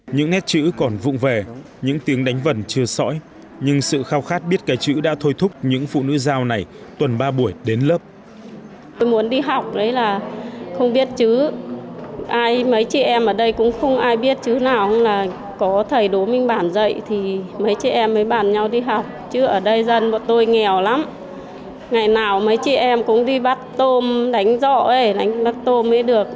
những nét chữ còn vụn về những tiếng đánh vần chưa sõi nhưng sự khao khát biết cái chữ đã thôi thúc những phụ nữ dao này tuần ba buổi đến lớp